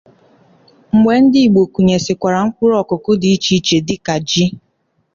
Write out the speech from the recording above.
Mgbe Ndị Igbo kụnyesikwara mkpụrụ ọkụkụ dị iche iche dịka ji